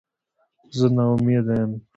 زه نا امیده یم